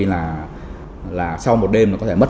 là sau một đêm nó có thể mất